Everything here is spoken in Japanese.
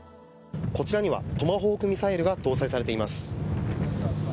こちらにはトマホークミサイルが搭載されています。